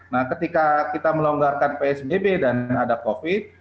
nah ketika kita melonggarkan psbb dan ada covid